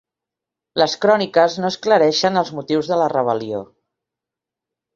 Les cròniques no esclareixen els motius de la rebel·lió.